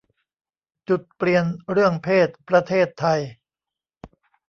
จุดเปลี่ยนเรื่องเพศประเทศไทย